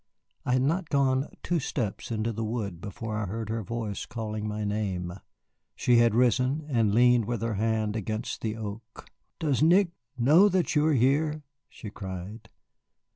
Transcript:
I had not gone two steps into the wood before I heard her voice calling my name. She had risen, and leaned with her hand against the oak. "Does Nick know that you are here?" she cried.